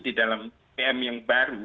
di dalam pm yang baru